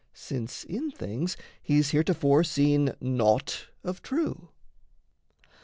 since in things He's heretofore seen naught of true.